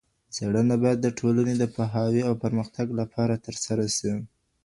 څېړنه باید د ټولني د پوهاوي او پرمختګ له پاره ترسره سي.